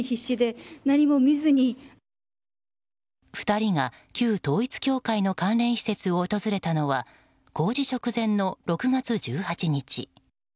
２人が旧統一教会の関連施設を訪れたのは公示直前の６月１８日。